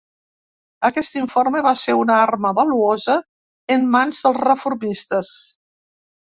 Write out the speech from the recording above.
Aquest informe va ser una arma valuosa en mans dels reformistes.